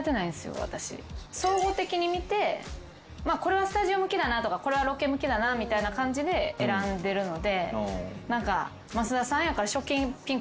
総合的に見てこれはスタジオ向きだなとかこれはロケ向きだなみたいな感じで選んでるので。